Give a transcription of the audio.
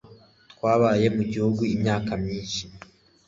Twabaye mu gihugu imyaka myinshi.